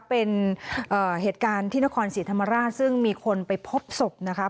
เป็นเหตุการณ์ที่นครศรีธรรมราชซึ่งมีคนไปพบศพนะคะ